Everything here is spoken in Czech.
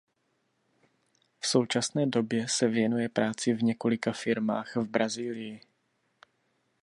V současné době se věnuje práci v několika firmách v Brazílii.